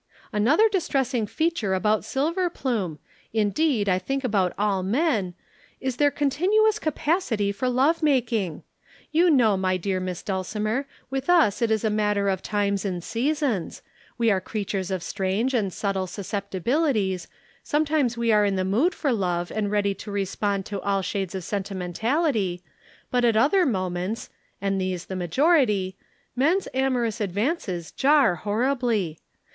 "Another distressing feature about Silverplume indeed, I think about all men is their continuous capacity for love making. You know, my dear Miss Dulcimer, with us it is a matter of times and seasons we are creatures of strange and subtle susceptibilities, sometimes we are in the mood for love and ready to respond to all shades of sentimentality, but at other moments (and these the majority) men's amorous advances jar horribly.